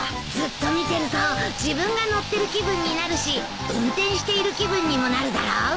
ずっと見てると自分が乗ってる気分になるし運転している気分にもなるだろ？